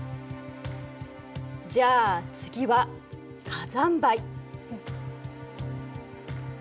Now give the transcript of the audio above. じゃあ次は火山灰。